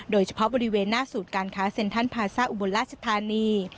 โดยเฉพาะบริเวณหน้าศูนย์การค้าเซ็นทรัลพาซ่าอุบลราชธานี